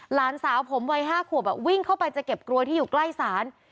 หลานสาวผมวัย๕ขวบวิ่งเข้าไปจะเก็บกลวยที่อยู่ใกล้ศาล